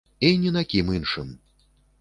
І ні на кім іншым.